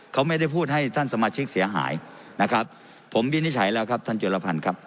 เขาไม่ได้พูดให้ท่านสมาชิกเสียหายนะครับผมวินิจฉัยแล้วครับท่านจุลพันธ์ครับ